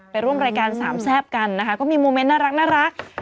ร่วมรายการสามแซ่บกันนะคะก็มีโมเมนต์น่ารัก